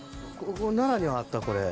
奈良にはあった？